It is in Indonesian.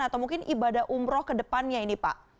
atau mungkin ibadah umroh ke depannya ini pak